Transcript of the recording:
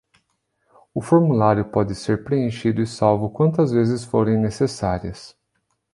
O formulário pode ser preenchido e salvo quantas vezes forem necessárias.